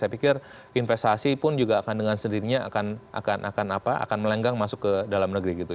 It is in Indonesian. saya pikir investasi pun juga akan dengan sendirinya akan melenggang masuk ke dalam negeri gitu